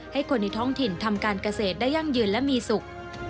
ให้คนในท้องถิ่นทำการเกษตรได้ยั่งยืนและมีสุข